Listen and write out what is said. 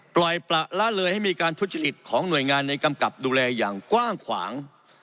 ปล่อยประละเลยให้มีการทุจริตของหน่วยงานในกำกับดูแลอย่างกว้างขวาง